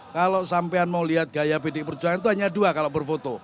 kalau sampean mau lihat gaya pdi perjuangan itu hanya dua kalau berfoto